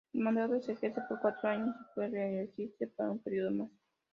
El mandato se ejerce por cuatro años y puede reelegirse para un período más.